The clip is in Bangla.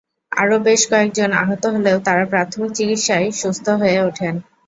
আরও বেশ কয়েকজন আহত হলেও তাঁরা প্রাথমিক চিকিৎসায় সুস্থ হয়ে ওঠেন।